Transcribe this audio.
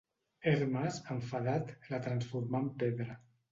Hermes, enfadat, la transformà en pedra.